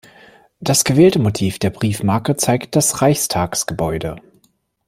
Das gewählte Motiv der Briefmarke zeigt das Reichstagsgebäude.